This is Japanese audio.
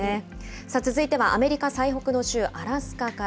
さあ続いては、アメリカ最北の州アラスカから。